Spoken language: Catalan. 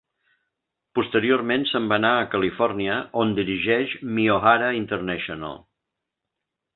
Posteriorment, se'n va anar a Califòrnia on dirigeix Miyohara International.